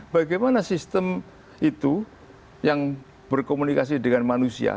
bagaimana sistem itu yang berkomunikasi dengan manusia